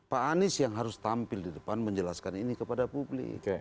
pak anies yang harus tampil di depan menjelaskan ini kepada publik